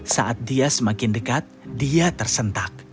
saat dia semakin dekat dia tersentak